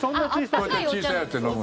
こうやって小さいやつで飲む。